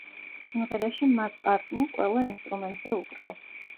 სიმღერაში მაკ-კარტნი ყველა ინსტრუმენტზე უკრავს.